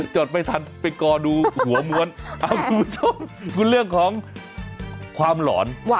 จดไม่ทันไปกอดูหัวม้วนคุณผู้ชมคือเรื่องของความหลอน